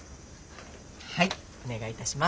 はいお願いいたします。